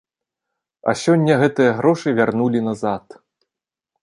А сёння гэтыя грошы вярнулі назад.